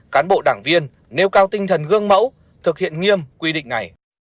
cán bộ đảng viên nêu cao tinh thần gương mẫu thực hiện nghiêm quy định này